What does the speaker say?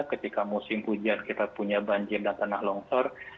ketika musim hujan kita punya banjir dan tanah longsor